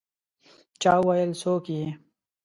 چا وویل: «څوک يې؟»